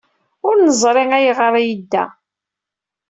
Ur neẓri ayɣer ay yedda.